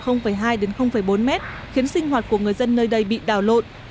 khiến sinh hoạt của người dân nơi đây bị đào lộn